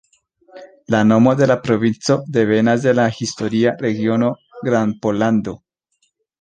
La nomo de la provinco devenas de la historia regiono Grandpollando.